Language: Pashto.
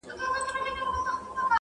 چاته وايی نابغه د دې جهان یې-